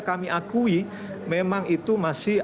kami akui memang itu masih